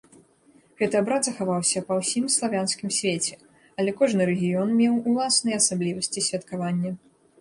Гэты абрад захаваўся па ўсім славянскім свеце, але кожны рэгіён меў уласныя асаблівасці святкавання.